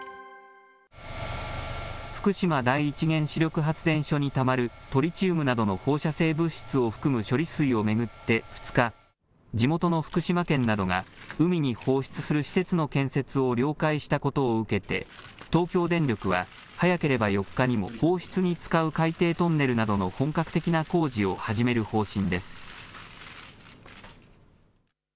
福島第一原子力発電所にたまるトリチウムなどの放射性物質を含む処理水を巡って２日、地元の福島県などが海に放出する施設の建設を了解したことを受けて、東京電力は早ければ４日にも、放出に使う海底トンネルなどの本格的な工事を始める方針です。